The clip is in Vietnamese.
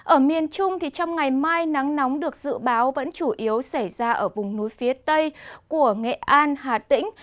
ở miền trung trong ngày mai nắng nóng được dự báo vẫn chủ yếu xảy ra ở vùng núi phía tây của nghệ an hà tĩnh